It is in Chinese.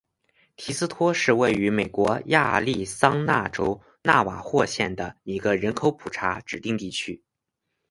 提斯托是位于美国亚利桑那州纳瓦霍县的一个人口普查指定地区。